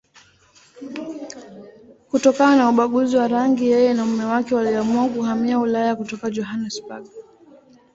Kutokana na ubaguzi wa rangi, yeye na mume wake waliamua kuhamia Ulaya kutoka Johannesburg.